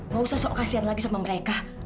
mau usah sok kasihan lagi sama mereka